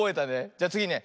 じゃつぎね。